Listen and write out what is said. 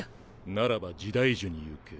ならば時代樹に行け。